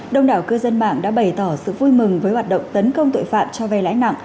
đông đảo cư dân mạng đã bày tỏ sự vui mừng với hoạt động tấn công tội phạm cho vay lãi nặng